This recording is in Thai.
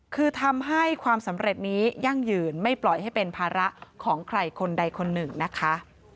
คือทำให้ความสำเร็จนี้ยั่งยืนไม่ปล่อยให้เป็นภาระของใครคนใดคนหนึ่งนะคะ